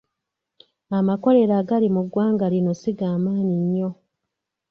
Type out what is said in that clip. Amakolero agali mu ggwanga lino si ga maanyi nnyo.